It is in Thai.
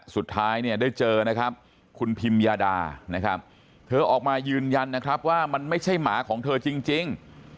สุดท้ายเนี่ยได้เจอนะครับคุณพิมยาดานะครับเธอออกมายืนยันนะครับว่ามันไม่ใช่หมาของเธอจริง